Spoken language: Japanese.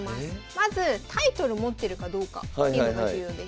まずタイトル持ってるかどうかっていうのが重要です。